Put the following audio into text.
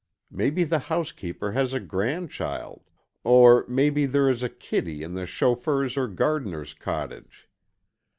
Maybe the housekeeper has a grandchild, or maybe there is a kiddy in the chauffeur's or gardener's cottage.